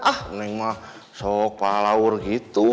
ah neng mah sok palawur gitu